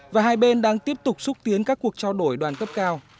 và hai bên đang tiếp tục xúc tiến các cuộc trao đổi đoàn cấp cao